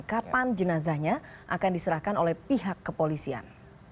kapan jenazahnya akan diserahkan oleh pihak kepolisian